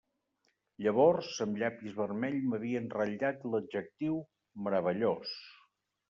Llavors, amb llapis vermell m'havien ratllat l'adjectiu 'meravellós'.